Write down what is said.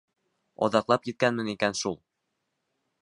Оҙаҡлап киткәнмен икән шул.